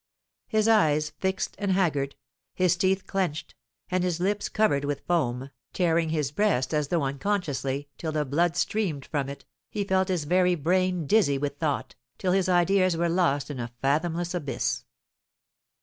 His eyes fixed and haggard, his teeth clenched, and his lips covered with foam, tearing his breast, as though unconsciously, till the blood streamed from it, he felt his very brain dizzy with thought, till his ideas were lost in a fathomless abyss.